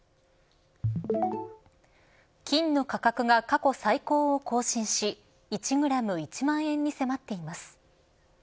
金の価格が過去最高を更新し１グラム１万円に迫っています。